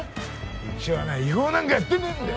うちはな違法なんかやってねえんだよ